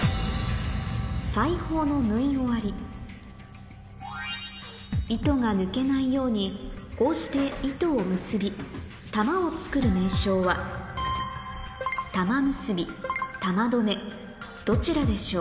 裁縫の糸が抜けないようにこうして糸を結び玉を作る名称は「玉結び」「玉どめ」どちらでしょう？